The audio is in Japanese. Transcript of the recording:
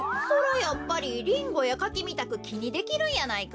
やっぱりリンゴやカキみたくきにできるんやないか？